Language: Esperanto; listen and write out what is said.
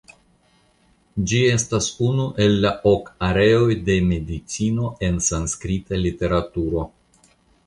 Ĝi estas unu el la ok areoj de medicino en sanskrita literaturo.